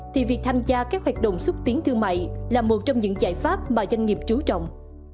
thì việc tham gia các hoạt động xúc tiến thương mại là một trong những giải pháp mà doanh nghiệp trú trọng